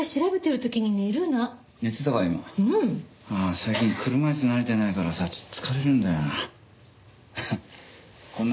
最近車椅子に慣れてないからさちょっと疲れるんだよな。